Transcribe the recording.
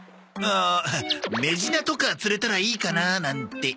ああメジナとか釣れたらいいかななんて。